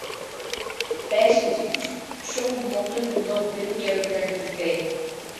بەشىنچى، ئۈچ چوڭ مۇھىم نۇقتىنى گەۋدىلەندۈرۈش كېرەك.